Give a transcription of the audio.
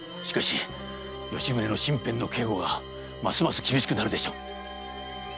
しかし吉宗の身辺の警護はますます厳しくなるでしょう。